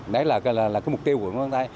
đấy là cái mục tiêu của chúng ta